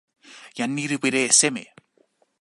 jan ni li wile e seme?